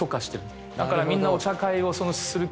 だからみんな。